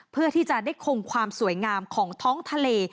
เพื่อที่จะได้คงความสวยงามของท้องทะเล